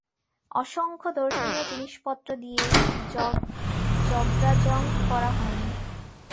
অসংখ্য দর্শনীয় জিনিসপত্র দিয়ে জবড়াজং করা হয় নি।